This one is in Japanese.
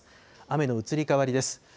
雨の移り変わりです。